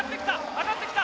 上がってきた！